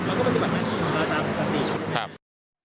น้องก็ปฏิบัติงของเราตามความดี